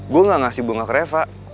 gue gak ngasih bunga ke reva